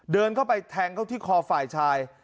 เดินเข้าไปแทงเข้าที่คอฝ่ายชาย